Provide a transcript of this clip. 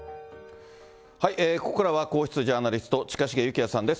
ここからは、皇室ジャーナリスト、近重幸哉さんです。